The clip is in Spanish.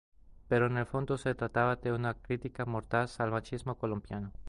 Pero en el fondo se trataba de una crítica mordaz al machismo colombiano.